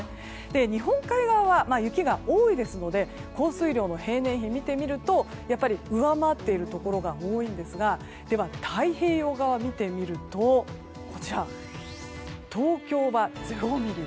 日本海側は雪が多いですので降水量の平年を見てみるとやっぱり上回っているところが多いんですがでは、太平洋側を見てみると東京は０ミリ。